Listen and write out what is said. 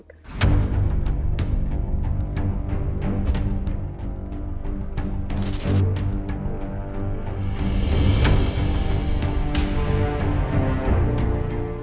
ทำ